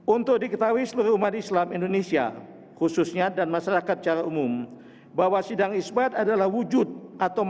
untuk diketahui seluruh umat islam